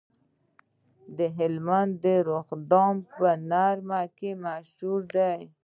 د هلمند رخام په نړۍ کې مشهور دی